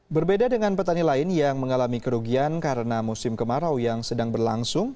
berbeda dengan petani lain yang mengalami kerugian karena musim kemarau yang sedang berlangsung